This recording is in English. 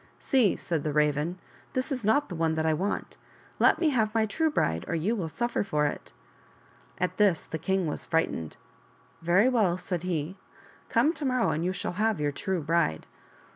" See," said the Raven, " this is not the one I want. Let me have my true bride or you will suffer for it." At this the king was frightened. " Very well," said he, " come to mor. row and you shall have your true bride."